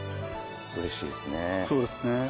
うれしいですね。